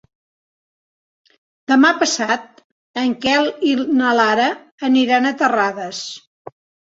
Demà passat en Quel i na Lara aniran a Terrades.